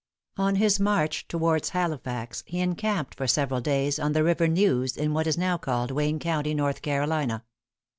On his march towards Halifax, he encamped for several days on the river Neuse, in what is now called Wayne County, North Carolina.